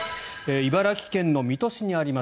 茨城県の水戸市にあります